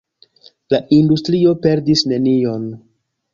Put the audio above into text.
La industrio perdis nenion.